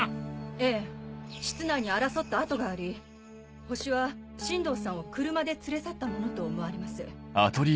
ええ室内に争った跡がありホシは新堂さんを車で連れ去ったものと思われます。